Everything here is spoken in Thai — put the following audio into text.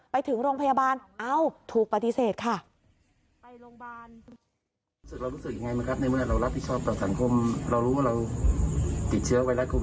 ไปถึงโรงพยาบาลเอ้าถูกปฏิเสธค่ะ